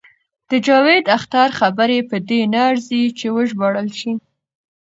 د جاوید اختر خبرې په دې نه ارزي چې وژباړل شي.